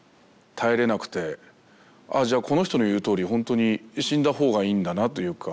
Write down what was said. ああじゃあこの人の言うとおり本当に死んだ方がいいんだなというか